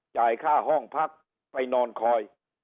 จ่ายค่าห้องพักไปนอนคอย